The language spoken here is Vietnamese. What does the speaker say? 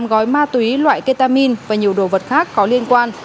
ba mươi tám gói ma túy loại ketamine và nhiều đồ vật khác có liên quan